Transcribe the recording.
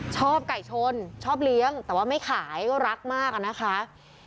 ชอบไก่ชนชอบเลี้ยงแต่ว่าไม่ขายก็รักมากอะนะคะ